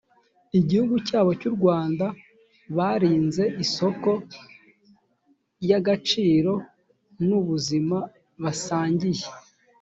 igihugu cyabo cy u rwanda barinze isoko y agaciro n ubuzima basangiye